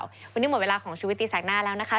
วันนี้หมดเวลาของชีวิตตีแสกหน้าแล้วนะคะ